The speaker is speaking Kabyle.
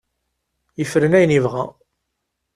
Yefren ayen yebɣa.